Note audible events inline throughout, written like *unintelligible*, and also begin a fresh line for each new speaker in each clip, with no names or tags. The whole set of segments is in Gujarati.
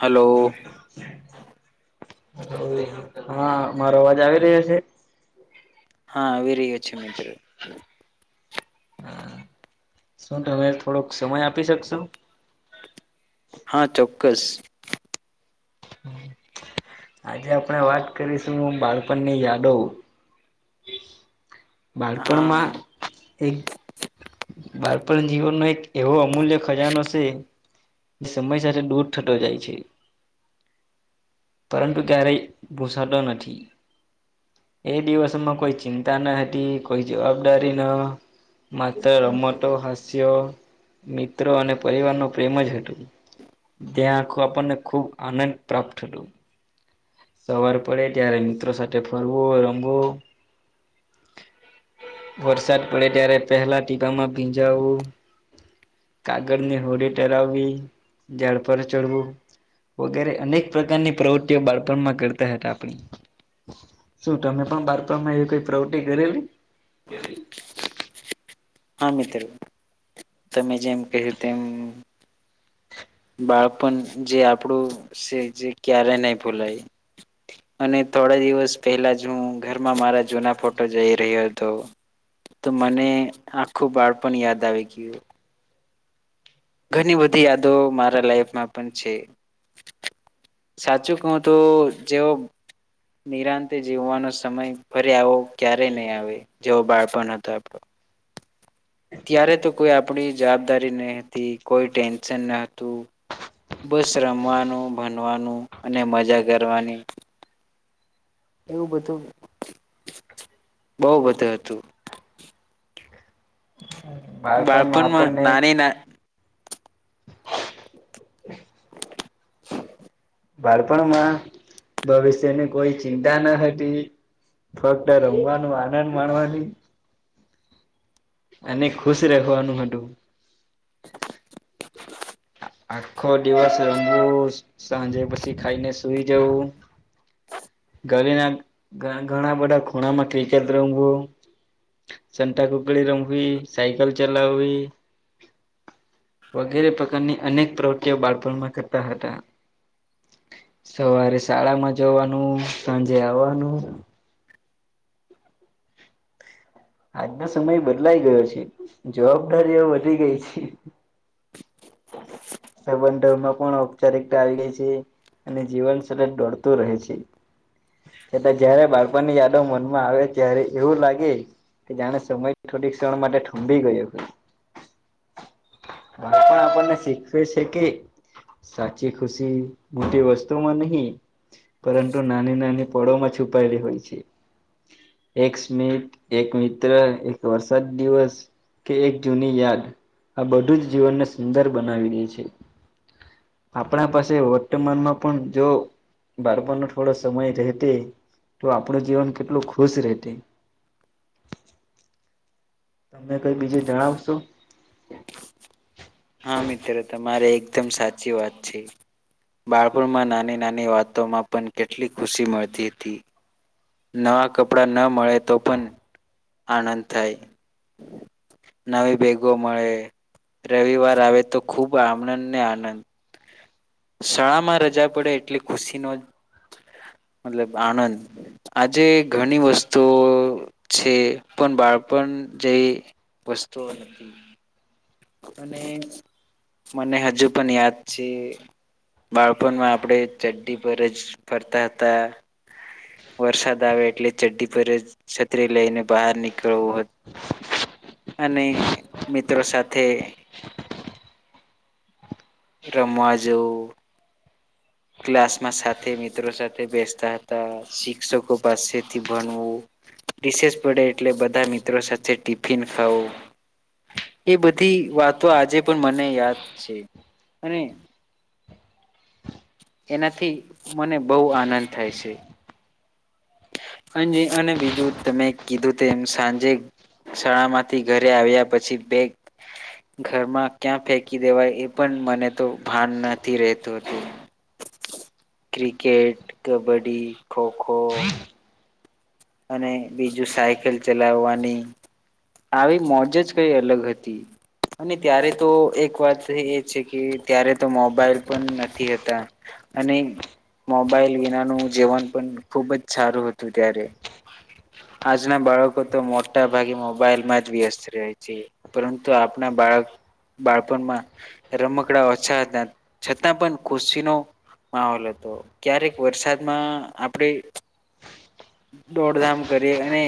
હલો.
હા, મારો અવાજ આવી રહ્યો છે.
હા આવી રહ્યો છેે મિત્ર
હા શું તમે થોડોક સમય આપી શકશો
હા ચોક્કસ
આજે આપણે વાત કરીશું બાળપણની યાદો બાળપણમાં
હા
એક બાળપણ જીવનનો એક એવો અમૂલ્ય ખજાનો છે સમય સાથે દૂર થટો જાય છે પરંતુ ક્યારેય ભૂસાતો નથી એ દિવસ માં કોઈ ચિંતા ન હતી કોઈ જવાબદારી ન માથ રમટો હાસ્ય મિત્રો અને પરિવાર નો પ્રેમ જ હતોું ધ્યાન આખું આપણને ખૂબ આનંદ પ્રાપ્ત થતું સવાર પડે ત્યારે મિત્રો સાથે ફરવું રમવું વરસાદ પડે ત્યારે પહેલા ટીબામાં ભીંજાવું કાગળની હોડી ટરાવવી ઝડ પર ચડવું વગેરે અનેક પ્રકારની પ્રવૃત્તિઓ બાળ કરતા હતા આપણી શું તમે પણ બાારપણમાં એ કોઈ પ્રવૃતિ કરેલી કે
હા મિત્રો તમે જેમ કહ્યું તેમ બાળપણ જે આપણું છે જે ક્યારે નહી ભોલાય અને થોડા દિવસ પહેલા જ હું ઘરમાં મારા જૂના ફોટો જઈ રહ્યો હતો તો મને આખું બાળ પણ યાદ આવી ગયું ઘણી બધી યાદો મારા લાઈફમાં પણ છે સાચું કહું તો જેવો નિરાંતે જીવવાનો સમય ફરે આવો ક્યારે નહીં આવે જેવો બાળપણ હતો આપણો ત્યારે તો કોઈ આપણી જવાબદારી નહી હતી કોઈ ટેન્શન ન હતું બસ રમવાનું ભણવાનું અને મજા કરવાની એવું બધું બહુ બધું હતું બાળપણમાં નાની ના *inaudible*
બાળપણમાં ભવિષ્યની કોઈ ચિંતા ન હતી ફક્ત રમવાનું આનંદ માણવાની અને ખુશ રાખવાનું હતું આખો દિવસ રમવું સાંજે પછી ખાઈને સુઈ જવું ઘરે ના ઘ ઘણા બધા ખૂણામાં ક્રિકેટ રમવું સંતાકુકડી રમવી સાયકલ ચલાવવી વગેરે પ્રકારની અનેક પ્રવૃત્તિઓ બાળપણમાં કરતા હતા સવારે શાળામાં જવાનું સાંજે આવવાનું આજનો સમય બદલાઈ ગયો છે જવાબદારીઓ વધી ગઈ છે સાબંધરમાં પણ ઔપચારિકતા આવી ગઈ છે અને જીવન સતત દોડતું રહે છે છતાં જયારે બાળપન ની યાદો મનમાં આવે ત્યારે એવું લાગે કે જાણે સમય થોડીક ક્ષણ માટે ઠુંંભી ગયો બર પણ આપણને શીખવે છે કે સાચી ખુશી મોટી વસ્તુમાં નહીં પરંતુ નાની નાની પળો માં છુપાયેલી હોય છે એક સ્મિત એક મિત્ર એક વર્સાદ દિવસ કે એક જૂની યાદ આ બધું જ જીવનને સુંદર બનાવી દે છે આપણા પાસે વર્તમાનમાં પણ જો બારપણ થોડો સમય રહે તે તો આપણું જીવન કેટલું ખુશ રહેત તમને કઈ બીજું જણાવશો
હા મિત્ર તમારે એકદમ સાચી વાત છે બાળપણમાં નાની નાની વાતોમાં પણ કેટલી ખુશી મળતી હતી નવા કપડાં ન મળે તો પણ આનંદ થાય નવી ભેગો મળે રવિવાર આવે તો ખૂબ આનંદને આનંદ શાળામાં રજા પડે એટલે ખુશીનો મતલબ આણંદ આજે ઘણી વસ્તુઓ છે પણ બાળપણ જેઈ વસ્તુઓ નથી અને મને હજુ પણ યાદ છે બાળપણમાં આપણે ચડ્ડી પર જ ફરતા હતા વરસાદ આવે એટલે ચડ્ડી પર જ છત્રી લઈને બહાર નીકળવું અને મિત્રો સાથે રમાજો
હ
ક્લાસમાં સાથે મિત્રો સાથે બેસતા હતા શિક્ષકો પાસેથી ભણવું રિસેસ પડે એટલે બધા મિત્રો સાથે ટિફિન ખાવું એ બધી વાતો આજે પણ મને યાદ છે અને એનાથી મને બહુ આનંદ થાય છે અ અને બીજું તમે કીધું તેમ સાંજે શાળા માંથી ઘરે આવ્યા પછી બેગ ઘરમાં ક્યાં ફેંકી દેવાય એ પણ મને તો ભાન નથી રહેેતું હતું ક્રિકેટ કબડી ખોખો અને બીજું સાયકલ ચલાવવાની આવી મોજ જ કઈ અલગ હતી અને ત્યારે તો એક વાત એ છે કે ત્યારે તો મોબાઈલ પણ નથી હતા અને મોબાઈલ વિનાનું જીવન પણ ખુબ જ સારું હતું ત્યારે આજના બાળકો તો મોટા ભાગે મોબાઈલમાં જ વ્યસ્ત રહે છે પરંતુ આપણા બાળક બાળપણમાં રમકડા ઓછા હતા છતાં પણ ખુશીનો માહોલ હતો ક્યારેક વરસાદમાં આપણે દોડધામ કરી અને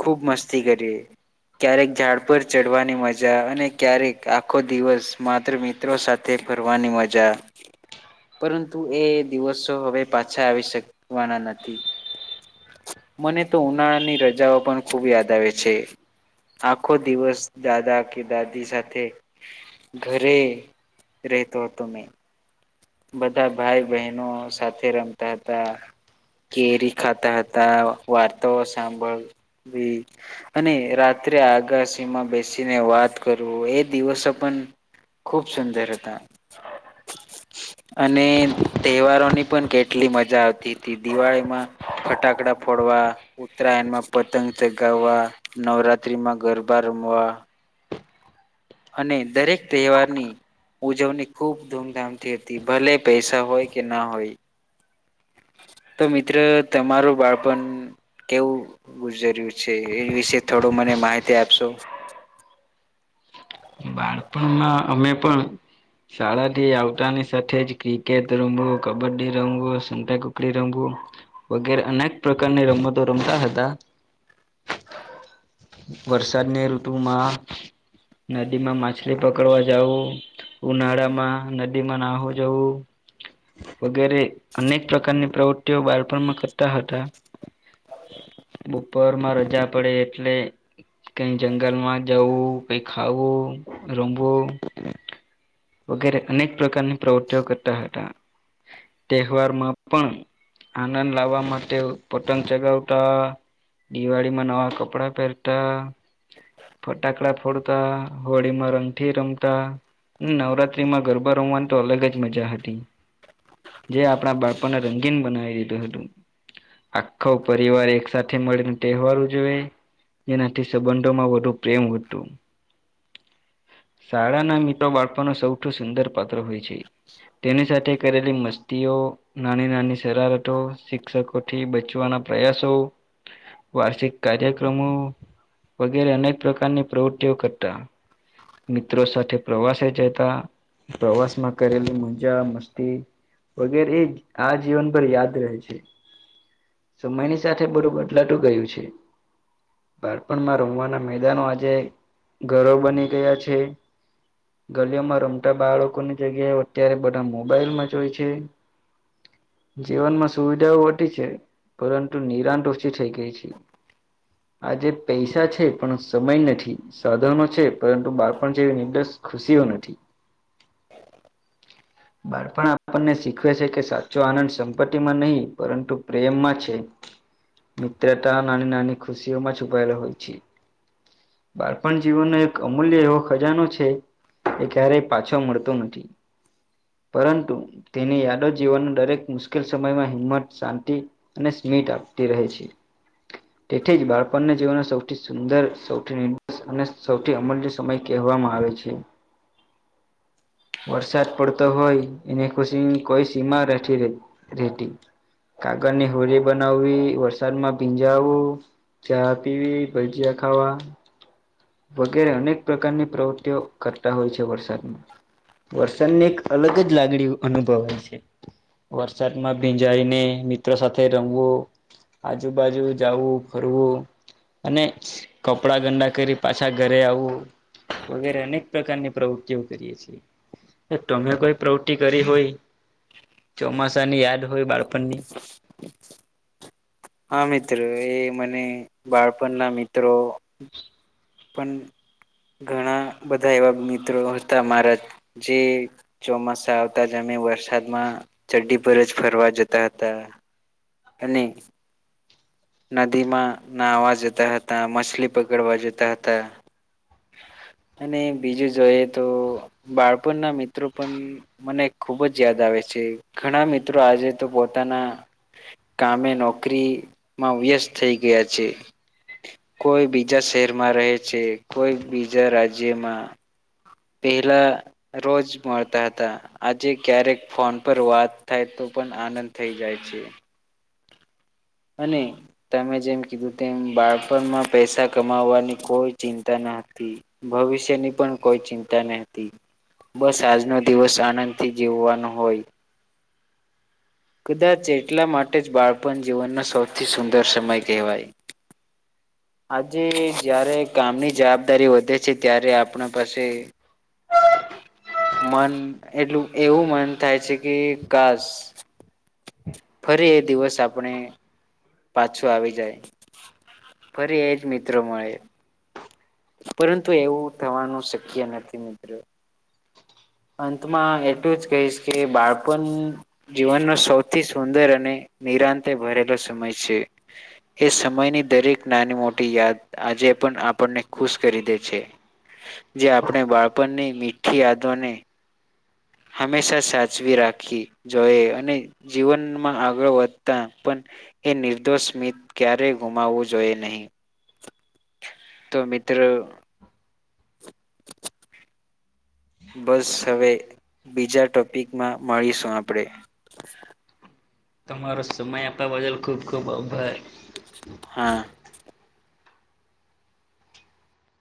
ખૂબ મસ્તી કરી ક્યારેક ઝાડ પર ચડવાની મજા અને ક્યારેક આખો દિવસ માત્ર મિત્રો સાથે ફરવાની મજા પરંતુ એ દિવસો હવે પાછા આવી શકવાના નથી મને તો ઉનાળાની રજાઓ પણ ખુબ યાદ આવે છે આખો દિવસ દાદા કે દાદી સાથે ઘરે રેતોતોમે બધા ભાઈ બહેનો સાથે રમતા હતા કેરી ખાતા હતા વાર્તાઓ સાંભળ અને રાત્રે આગશીમાં બેસી વાત કરવું એ દિવસો પણ ખુબ સુંદર હતા અને તહેવારોની પણ કેટલી મજા આવતી હતી દિવાળીમાં ફટાકડા ફોડવા ઉત્તરાયણ માં પતંગ ચગાવવા નવરાત્રીમાં ગરબા ર વા અને દરેક તહેવારની ઉજવણી ખૂબ ધૂમધામથી હતી ભલે પૈસા હોય કે ના હોય
હ *unintelligible*
તો મિત્ર તમારું બાળપણ કેવું ગુજર્યુ છે એ વિશે થોડું મને માહિતી આપશો
હ *unintelligible* બાળપણમાં અમે પણ શાળા થી આવતાની સાથે જ ક્રિકેટ રમવું કબડ્ડી રમવો સતાકુકડી રમવું વગેરે અનેક પ્રકારની રમતો રમતા હતા વરસાદની ઋતુમાં નદી માં માછલી પકડવા જવું ઉનાળામાં નદીમાં નાહું જવું વગેરે અનેક પ્રકારની પ્રવૃત્તિઓ બાળપણમાં કરતા હતા બપોરમાં રજા પડે એટલે કઈ જંગલ માં જવું કઈ ખાવું રમવું વગેરે અનેક પ્રકારની પ્રવૃત્તિઓ કરતા હતા તહેવારમાં પણ આનંદ લાવવા માટે પતંગ ચગાવતા દિવાળી માં નવા કપડાં પહેરતા ફટાકડા ફોડતા હોળી માં રંગઠી રમતા નવરાત્રીમાં ગરબા રમવાની તો અલગ જ મજા હતી જે આપણા બાળપને રંગીન બનાવી દીધું હતું આખો પરિવાર એક સાથેથે મળીને તહેવાર ઉજવે જેનાથી સંબંધોમાં વધુ પ્રેમ હતું શાળાના ફટો બાળપણનો સૌથી સુંદર પાત્ર હોય છે તેની સાથે કરેલી મસ્તીઓ નાની નાની શરારતો શિક્ષકોથી બચવાના પ્રયાસો વાર્ષિક કાર્યક્રમો વગેરે અનેક પ્રકારની પ્રવૃતિઓ કરતા મિત્રો સાથે પ્રવાસે જતા પ્રવાસમાં કરેલ મજા મસ્તી વગેરે એ આ જીવન ભર યાદ રહે છે સમયની સાથે બધૂ બદલાટું ગયું છે બાળપણમાં રમવાના મેદાનો આજે ઘર બની ગયા છે ગલીઓમાં રમતા બાળકોની જગ્યાએ અત્યારે બધા મોબાઈલમાં જ હોય છે જીવનમાં સુવિધાઓ વટી છે પરંતુ નિરાંત ઓછી થઈ ગઈ છે આજે પૈસા છે પણ સમય નથી સાધનો છે પરંતુ બાળપણ જે નિર્ડ્સ ખુશીઓ નથી બાળપણ આપણને શીખવે છે કે સાચો આનંદ સંપત્તિ માં નહીં પરંતુ પ્રેમમાં છે મિત્રતા નાની નની ખુશીઓમાં છુપાયલો હોય છે બાળપણ જીવનનો એક અમૂલ્ય એવો ખજાનો છે એ ક્યારેય પાછો મળતો નથી પરંતુ તેની યાદો જીવન દરેક મુશ્કેલ સમયમાં હિંમત શાંતિ અને સ્મીઠ પ્રાપ્તિ રહેે છે તેથી જ બાળપણના જીવનનો સૌથી સુંદર સૌથી નિર્દષ અને સૌથી અમલ્ય સમય કહેવાય વામાં આવે છે વરસાદ પડતો તો હોય એને ખુશીની કોઈ સીમા રેઠી રેતી કાગળની હોલી બનાવવી વરસાદમાં ભીજાવુ ચા પીવી ભજીયા ખાવા વગેરે અનેક પ્રકારની પ્રવૃત્તિઓ કરતા હોય છે વરસાદમાં વરસાદની અલગ જ લાગણી અનુભવાય છે વરસાદમાં ભીંજારીને મિત્રો સાથે રમવું આજુબાજુ જાવું ફરવું અને કપડા ગંડા કરી પાછા ઘરે આવું વગેરે અનેક પ્રકારની પ્રવૃતિઓ કરીએ છીએ તોમે કોઈ પ્રવૃતિ કરી હોય ચોમાસાની યાદ હોય બાળપણની *unintelligible* *inaudible*
હા મિત્ર એ મને બાળપણના મિત્રો પણ ઘણા બધા એવા મિત્રો હતા, મારા જે ચોમાસા આવતા જમી. વરસાદમાં ચડી પર જ ફરવા જતા હતા, અને નદીમાં નહવા જતા હતા, માછલી પકડવા જતા હતા.
*unintelligible* *inaudible*
અને બીજું જોઈએ, તો બાળપણ ના મિત્રો પણ મને ખુબ જ યાદ આવે છે. ઘણા મિત્રો આજે તો પોતાના કામે નોકરી માં વ્યસ્ત થઈ ગયા છે. કોઈ બીજા શહેરમાં રહે છે, કોઈ બીજા રાજ્યમાં પેલા રોજ મળતા હતા, આજે ક્યારેક ફોન પર વાત થાય તો. પણ આનંદ થઈ જાય છે. અને તમે જેમ કીધું તેમ બાળપણમાં પૈસા કમાવાની કોઈ ચિંતા નથી. ભવિષ્યની પણ કોઈ ચિંતા ન હતી. બસ આજનો દિવસ આનંદથી જીવવાનો હોય. કદાચ એટલા માટે જ બાળપણ જીવનનો સૌથી સુંદર સમય કહેવાય. આજે જારે કામની જવાબદારી વધે છે, ત્યારે આપણા પાસે
હ *inaudible*
મન એટલું એવું મન થાય છે, કે કાસ ફરી એ દિવસ આપણે. પાછું આવી જાય ફરી એજ મિત્રો મળે. પરંતુ એવું થવાનું શક્ય નથી મિત્રો. અંતમાં એટલું જ કહીશ કે બાળપણ જીવનનો સૌથી સુંદર અને નિરાંતે ભરેલો સમય છે, એ સમયની દરેક નાની મોટી યાદ આજે પણ આપણને ખુશ કરી દે છે.
હ *inaudible*
જે આપણે બાળપણની મીઠી યાદોને હંમેશા સાચવી રાખી જોએ અને જીવનમાં આગળ વધતા પણ એ નિર્દોષ સ્મિત ક્યારેય ગુમાવવું જોઈએ નહીં.
*unintelligible* *inaudible*
તો મિત્ર બસ હવે બીજા ટોપિકમાં મળીશું, આપણેે
તમારો સમય આપવા બદલ ખુબ ખુબ આભાર.
હા.